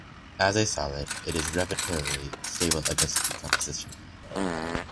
As a solid, it is relatively stable against decomposition.